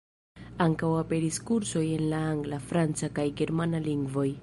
Ankaŭ aperis kursoj en la angla, franca kaj germana lingvoj.